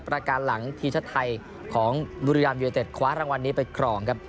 ประการหลังทีมชาติไทยของบุรีรัมยูเนเต็ดคว้ารางวัลนี้ไปครองครับ